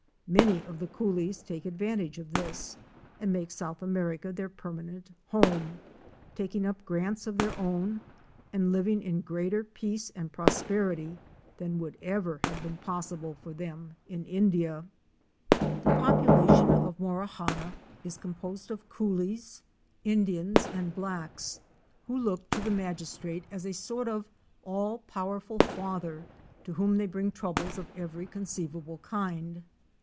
Many of the coolies take advantage of this and make South America their permanent home, taking up grants of their own and living in greater peace and prosperity than would ever have been possible for them in India. The population of Morawhanna is composed of coolies, 150 OUR SEARCH FOR A WILDERNESS. Indians and blacks, who look to the magistrate as a sort of all powerful father to whom they bring troubles of every conceivable kind.